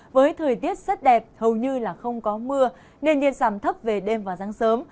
với thời tiết rất đẹp hầu như là không có mưa nền nhiệt giảm thấp về đêm và sáng sớm